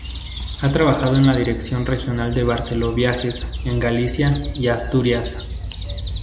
Ha trabajado en la Dirección Regional de Barceló Viajes en Galicia y Asturias.